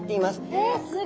えすごい！